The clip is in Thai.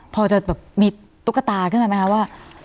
พอจะมีตุ๊กตาขึ้นมาไหมคะ